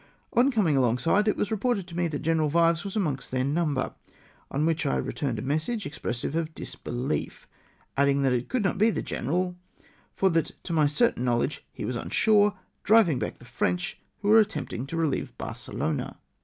On coming alongside, it was reported to me that General Vives was amongst their number, on which I returned a message expressive of chsbehef ; adchng that it could not be the general, for that to my certain knowledge he was on shore, driving back the French who were attempting to reheve Barcelona.